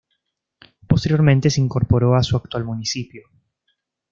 Posteriormente se incorporó a su actual municipio.